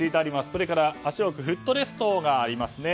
それから足を置くフットレストがあります。